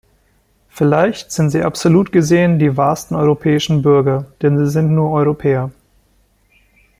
Vielleicht sind sie absolut gesehen die wahrsten europäischen Bürger, denn sie sind nur Europäer.